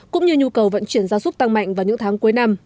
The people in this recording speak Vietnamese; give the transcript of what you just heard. cũng như nhu cầu vận chuyển gia súc tăng mạnh vào những tháng cuối năm